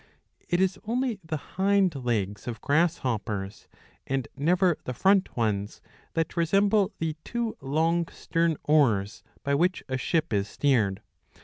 It is only the hind legs of grasshoppers, and never the front ones, that resemble the two long stern oars by which a ship is steered.